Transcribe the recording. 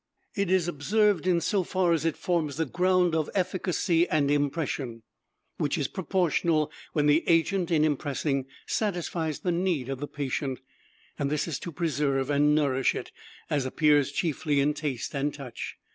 It is observed in so far as it forms the ground of efficacy and impression, which is proportional when the agent, in impressing, satisfies the need of the patient, and this is to preserve and nourish it, as appears chiefly in taste and touch.